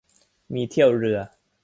มีเที่ยวเรือ